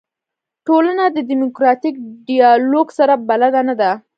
ټولنه له دیموکراتیک ډیالوګ سره بلده نه ده.